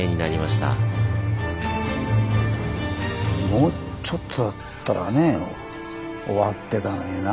もうちょっとだったらね終わってたのにな。